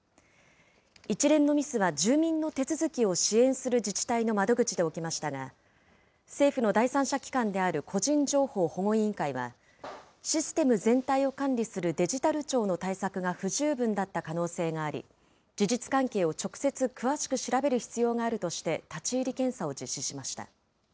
一連のミスは住民の手続きを支援する自治体の窓口で起きましたが、政府の第三者機関である個人情報保護委員会は、システム全体を管理するデジタル庁の対策が不十分だった可能性があり、事実関係を直接、詳しく調べる必要があるとして、立ち入り検査を実施しました。